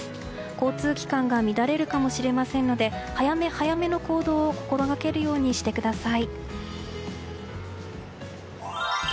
交通機関が乱れるかもしれませんので早め早めの行動を心がけるようにしてください。